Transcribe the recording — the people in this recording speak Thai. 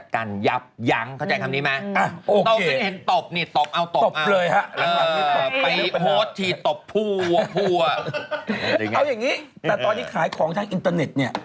แต่ตอนนี้ขายของทางอินเตอร์เน็ตเนี่ย